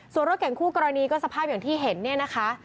ส่วนรถเก่งคู่กรณีสภาพที่เห็นดีเนะคะ